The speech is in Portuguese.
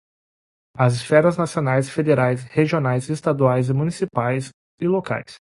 As esferas nacionais, federais, regionais, estaduais, municipais e locais